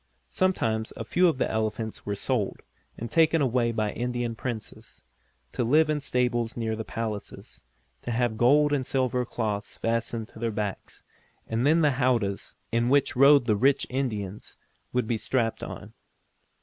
Sometimes a few of the elephants were sold, and taken away by Indian Princes, to live in stables near the palaces, to have gold and silver cloths fastened on their backs, and then the howdahs, in which rode the rich Indians, would be strapped on.